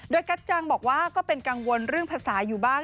โดยกัจจังบอกว่าก็เป็นกังวลเรื่องภาษาอยู่บ้าง